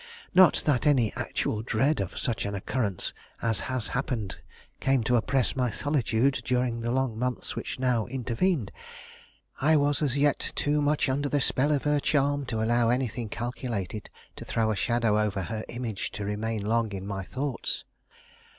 Not that any actual dread of such an occurrence as has since happened came to oppress my solitude during the long months which now intervened. I was as yet too much under the spell of her charm to allow anything calculated to throw a shadow over her image to remain long in my thoughts.